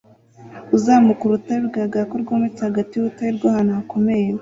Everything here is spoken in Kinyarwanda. Uzamuka urutare bigaragara ko rwometse hagati y'urutare n'ahantu hakomeye